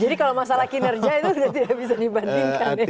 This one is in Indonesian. jadi kalau masalah kinerja itu tidak bisa dibandingkan ya